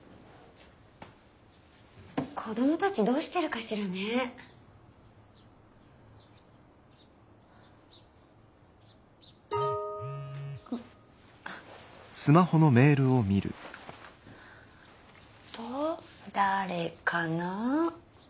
子供たちどうしてるかしらね。と誰かな？